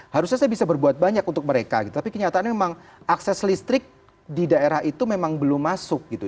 harusnya saya bisa berbuat banyak untuk mereka gitu tapi kenyataannya memang akses listrik di daerah itu memang belum masuk gitu